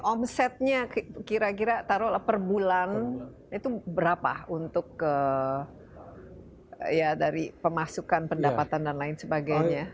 omsetnya kira kira taruh oleh perbulan itu berapa untuk ke ya dari pemasukan pendapatan dan lain sebagainya